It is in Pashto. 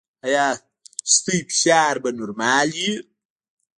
ایا ستاسو فشار به نورمال وي؟